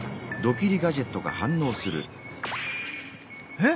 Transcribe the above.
えっ？